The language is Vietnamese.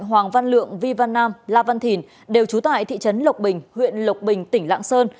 hoàng văn lượng vi văn nam la văn thìn đều trú tại thị trấn lộc bình huyện lộc bình tỉnh lạng sơn